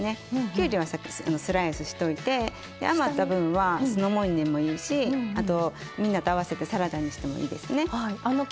きゅうりは先スライスしといてで余った分は酢の物にでもいいしあとみんなと合わせてサラダにしてもいいですね。